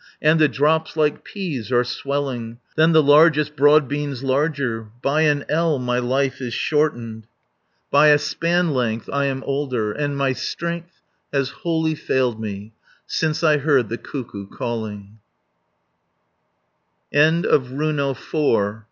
And the drops like peas are swelling. Than the largest broad beans larger. By an ell my life is shortened, By a span length I am older, And my strength has wholly failed me, Since I heard the cuckoo calling," RUNO V.